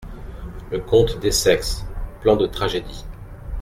Le Comte d'Essex, plan de tragédie.